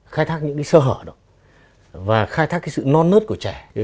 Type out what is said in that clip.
khai thác những sơ hở đó và khai thác sự non nớt của trẻ